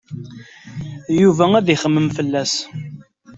Yuba ad ixemmem fell-as.